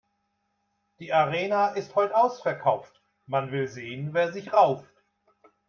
Die Arena ist heut' ausverkauft, man will sehen, wer sich rauft.